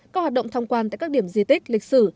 có hoạt động tham quan tại các điểm di tích lịch sử